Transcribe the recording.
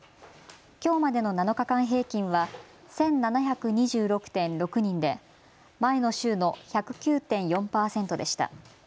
きょうまでの７日間平均は１７２６．６人で、前の週の１０９．４％でした。